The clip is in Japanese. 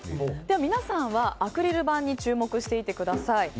皆さんはアクリル板に注目していてください。